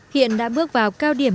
huyện đã bước vào cao điểm